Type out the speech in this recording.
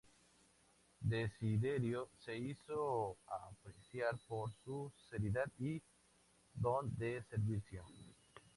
Desiderio se hizo apreciar por su seriedad y don de servicio.